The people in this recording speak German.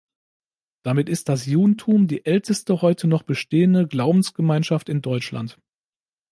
Damit ist das Judentum die älteste heute noch bestehende Glaubensgemeinschaft in Deutschland.